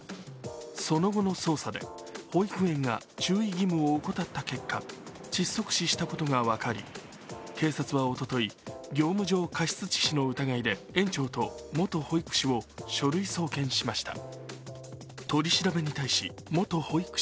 その後の捜査で保育園が注意義務を怠った結果窒息死したことが分かり警察はおととい業務上過失致死の疑いで園長と元保育士を書類送検しました。